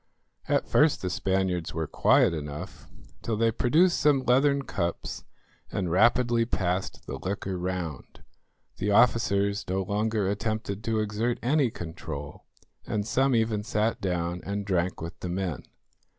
At first the Spaniards were quiet enough, till they produced some leathern cups and rapidly passed the liquor round. The officers no longer attempted to exert any control, and some even sat down and drank with the men.